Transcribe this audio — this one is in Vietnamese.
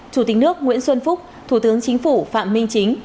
chủ tịch nước nguyễn xuân phúc thủ tướng chính phủ phạm minh chính